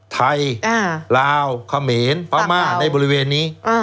ไทยลาวเขมีนภาคม่าในบริเวณนี้